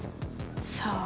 さあ。